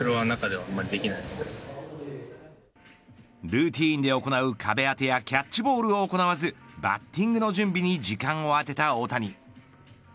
ルーティンで行う壁当てやキャッチボールを行わずバッティングの準備に時間を充てた大谷。